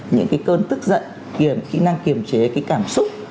những cái cơn tức giận kiểm kỹ năng kiềm chế cái cảm xúc